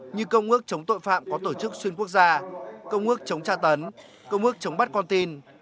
như công ước chống tội phạm có tổ chức xuyên quốc gia công ước chống tra tấn công ước chống bắt con tin